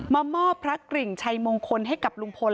มามอบพระกริ่งชัยมงคลให้กับลุงพล